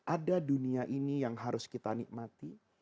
ada dunia ini yang harus kita nikmati